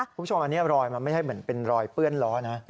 คุณผู้ชมอันนี้รอยมันไม่ใช่เหมือนเป็นรอยเปื้อนล้อนะ